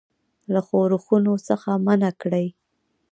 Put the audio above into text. له ښورښونو څخه منع کړي.